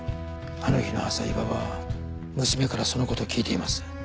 あの日の朝伊庭は娘からその事を聞いています。